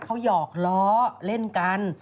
เขาหยอกล้อเล่นกัน